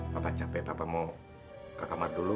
papa capek papa mau ke kamar dulu